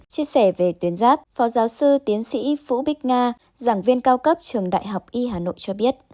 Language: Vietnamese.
chia sẻ về tuyến giáp phó giáo sư tiến sĩ vũ bích nga giảng viên cao cấp trường đại học y hà nội cho biết